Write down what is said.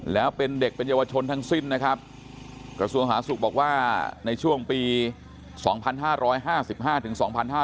แล้วเป็นเด็กเป็นเยาวชนทั้งสิ้นนะครับกระทรวงสาธารณสุขบอกว่าในช่วงปี๒๕๕๕ถึง๒๕๕๙